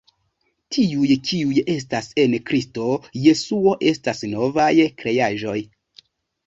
Tiuj, kiuj estas en Kristo Jesuo estas novaj kreaĵoj.